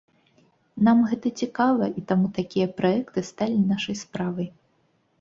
Нам гэта цікава, і таму такія праекты сталі нашай справай.